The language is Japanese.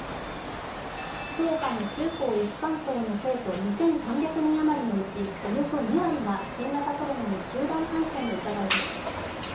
福岡の中高一貫校の生徒２３００人あまりのうちおよそ２割が新型コロナに集団感染の疑いです。